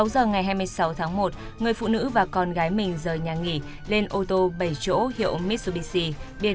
sáu giờ ngày hai mươi sáu tháng một người phụ nữ và con gái mình rời nhà nghỉ lên ô tô bảy chỗ hiệu mitsubishi